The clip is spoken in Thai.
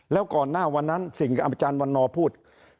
แล้วก่อนหน้าวันนั้นสิ่งอาจารย์วันนอร์พูด